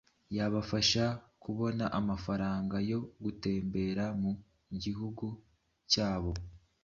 yabafasha kubona amafaranga yo gutembera mu Gihugu cyabo?